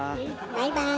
バイバーイ。